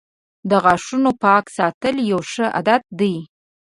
• د غاښونو پاک ساتل یوه ښه عادت دی.